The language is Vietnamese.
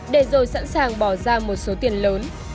để rồi sẵn sàng bỏ ra một số tiền lớn